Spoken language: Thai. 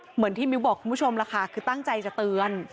เหมือนที่มิ้วบอกคุณผู้ชมล่ะค่ะคือตั้งใจจะเตือน